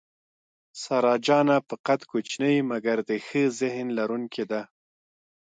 سارا جانه په قد کوچنۍ مګر د ښه ذهن لرونکې ده.